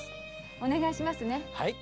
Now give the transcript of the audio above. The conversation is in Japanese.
お願いしますね。